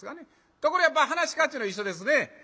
ところがやっぱ噺家っちゅうのは一緒ですね。